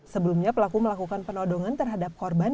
sebelumnya pelaku melakukan penodongan terhadap korban